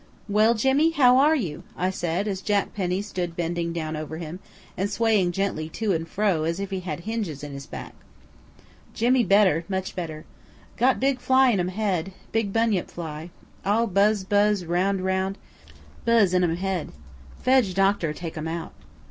"Well, Jimmy, how are you?" I said, as Jack Penny stood bending down over him, and swaying gently to and fro as if he had hinges in his back. "Jimmy better much better. Got big fly in um head big bunyip fly. All buzz buzz round and round buzz in um head. Fedge doctor take um out."